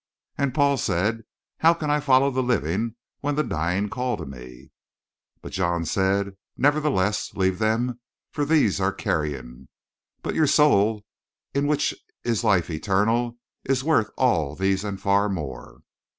"And Paul said: 'How can I follow the living when the dying call to me?' "But John said: 'Nevertheless, leave them, for these are carrion, but your soul in which is life eternal is worth all these and far more.'